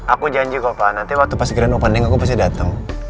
aku janji kok pak nanti waktu pas grand mau pending aku pasti datang